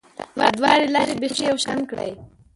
دا دواړې لارې بیخي یو شان کړې